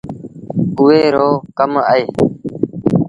اُئي رو ڪم اهي۔